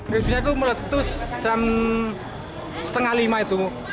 erupsinya itu meletus setengah lima itu